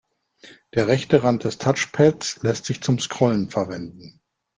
Der rechte Rand des Touchpads lässt sich zum Scrollen verwenden.